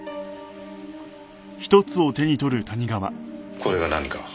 これが何か？